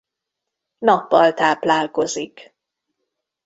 Nappal táplálkozik.